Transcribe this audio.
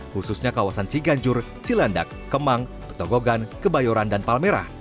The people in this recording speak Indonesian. khususnya kawasan ciganjur cilandak kemang petogogan kebayoran dan palmerah